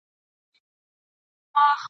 امان الله خان پر تعلیم او پوهه ډېر تاءکيد کاوه.